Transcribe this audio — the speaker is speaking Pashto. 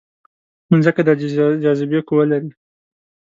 مځکه د جاذبې قوه لري.